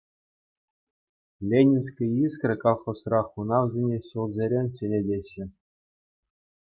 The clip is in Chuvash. «Ленинская искра» колхозра хунавсене ҫулсерен ҫӗнетеҫҫӗ.